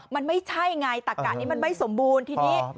มันไม่ใช่ไงตักกะนี้มันไม่สมบูรณ์ทีนี้